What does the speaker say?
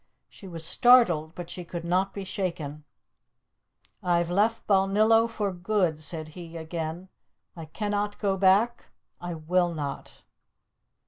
She was startled, but she could not be shaken. "I've left Balnillo for good," said he again. "I cannot go back I will not!"